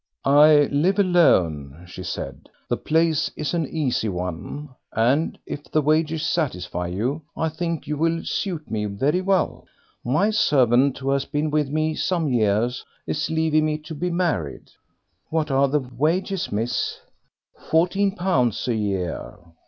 "I live alone," she said; "the place is an easy one, and if the wages satisfy you, I think you will suit me very well. My servant, who has been with me some years, is leaving me to be married." "What are the wages, miss?" "Fourteen pounds a year."